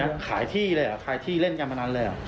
มันขายที่เลยเหรอขายที่เล่นการพนันเลยเหรอ